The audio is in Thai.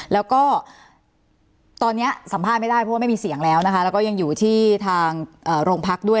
แล้วก็ตอนนี้สัมภาษณ์ไม่ได้เพราะว่าไม่มีเสียงแล้วนะคะแล้วก็ยังอยู่ที่ทางโรงพักด้วย